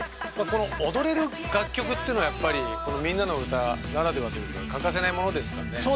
この踊れる楽曲というのはやっぱり「みんなのうた」ならではというか欠かせないものですからね。